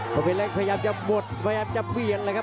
โคมเป็นเล็กพยายามจะหมดพยายามจะเบียนเลยครับ